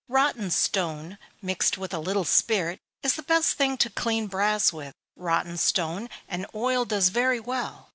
_ Rotten stone, mixed with a little spirit, is the best thing to clean brass with: rotten stone and oil does very well.